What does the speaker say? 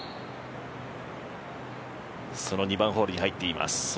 その２番ホールに入っています。